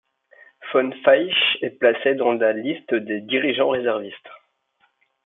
Von Weichs est placé dans la liste des dirigeants réservistes.